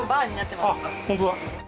本当だ。